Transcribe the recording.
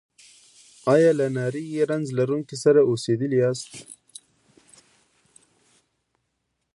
ایا له نري رنځ لرونکي سره اوسیدلي یاست؟